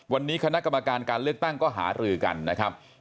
วันนี้คณะกรรมการการเลือกตั้งก็หารือกันนะครับ